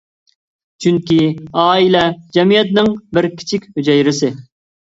چۈنكى ئائىلە جەمئىيەتنىڭ بىر كىچىك ھۈجەيرىسى.